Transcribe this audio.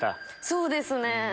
そうですね。